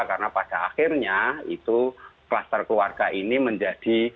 karena pada akhirnya itu kluster keluarga ini menjadi